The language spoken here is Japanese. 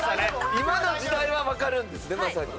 今の時代はわかるんですねまさにね。